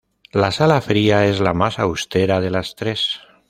La sala fría es la más austera de las tres.